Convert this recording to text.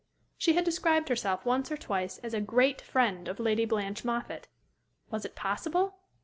She had described herself once or twice as a great friend of Lady Blanche Moffatt. Was it possible?